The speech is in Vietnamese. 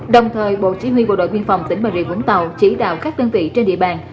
đồng thời bộ chỉ huy bộ đội biên phòng tỉnh bà rịa vũng tàu chỉ đạo các đơn vị trên địa bàn